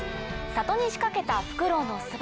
里に仕掛けたフクロウの巣箱。